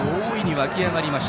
大いに沸き上がりました。